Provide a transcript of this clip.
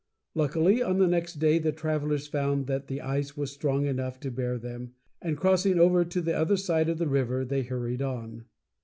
Luckily, on the next day the travelers found that the ice was strong enough to bear them, and, crossing over to the other side of the river, they hurried on.